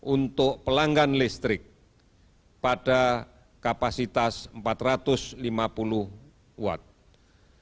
untuk pelanggan listrik pada kapasitas empat ratus lima puluh watt